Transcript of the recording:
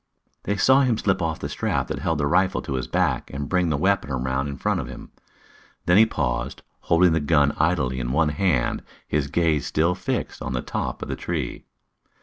They saw him slip off the strap that held the rifle to his back and bring the weapon around in front of him. There he paused, holding the gun idly in one hand, his gaze still fixed on the top of the tree.